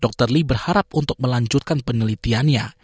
dr lee berharap untuk melanjutkan penelitiannya